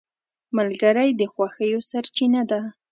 ملګری د خوښیو سرچینه ده